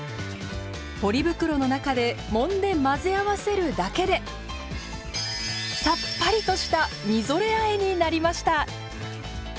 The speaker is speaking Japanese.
ポリ袋の中でもんで混ぜ合わせるだけでさっぱりとしたみぞれあえになりました。